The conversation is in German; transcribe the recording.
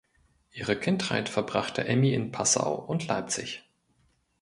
Ihre Kindheit verbrachte Emmy in Passau und Leipzig.